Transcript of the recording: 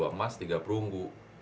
dua emas tiga perunggu